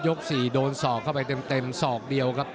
๔โดนศอกเข้าไปเต็มศอกเดียวครับ